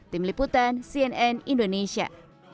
tim liputan cnn indonesia